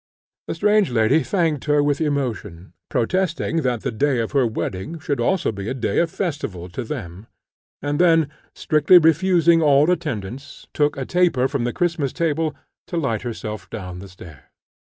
The strange lady thanked her with emotion, protesting that the day of her wedding should also be a day of festival to them; and then, strictly refusing all attendance, took a taper from the Christmas table to light herself down the stairs.